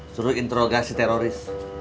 suruh interogasi teroris